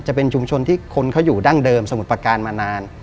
จะเป็นชุมชนที่คนเขาอยู่ดั้งเดิมสมุทรประการมานาน